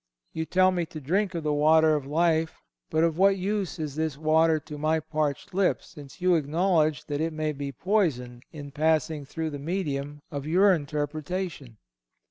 You tell me to drink of the water of life; but of what use is this water to my parched lips, since you acknowledge that it may be poisoned in passing through the medium of your interpretation?